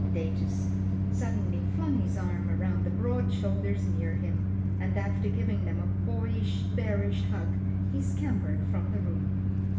Datus suddenly flung his arms round the broad shoulders near him, and after giving them a boy ish, bearish hug, he scampered from the room.